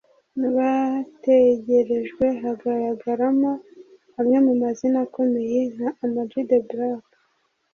Mu bategerejwe hagaragaramo amwe mu mazina akomeye nka Ama G The Black